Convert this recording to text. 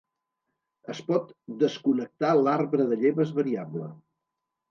Es pot desconnectar l'arbre de lleves variable.